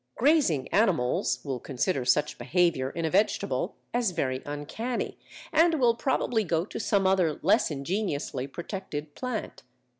Grazing animals will consider such behaviour in a vegetable as very uncanny, and will probably go to some other less ingeniously protected plant.